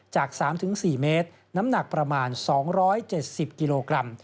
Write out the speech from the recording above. จาก๓๔เมตรน้ำหนักประมาณ๒๗๐กิโลกรัม